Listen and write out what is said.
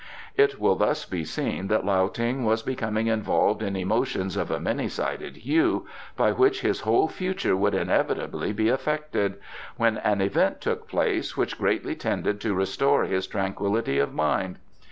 It will thus be seen that Lao Ting was becoming involved in emotions of a many sided hue, by which his whole future would inevitably be affected, when an event took place which greatly tended to restore his tranquillity of mind.